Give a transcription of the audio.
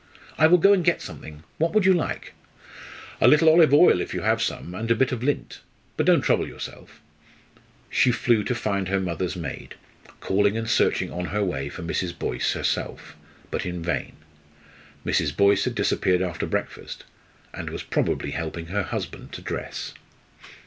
"I will go and get something what would you like?" "A little olive oil if you have some, and a bit of lint but don't trouble yourself." She flew to find her mother's maid, calling and searching on her way for Mrs. Boyce herself, but in vain. Mrs. Boyce had disappeared after breakfast, and was probably helping her husband to dress.